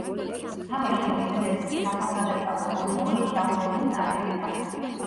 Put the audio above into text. თამაში მოქმედებითი, სათავგადასავლო და რბოლის ჟანრების ნარევია.